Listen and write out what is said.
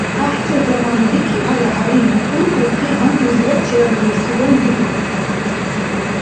ГӀяхӀцад замана дикибхӀели ХӀялимат уркӀрухъи гьанкӀлизирад чераргъибсиван риуб.